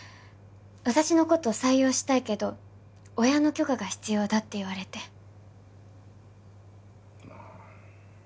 私のこと採用したいけど親の許可が必要だって言われてまあ